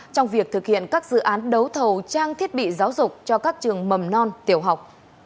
trong việc thực hiện các dự án đấu thầu trang thiết bị giáo dục cho các trường mầm non tiểu học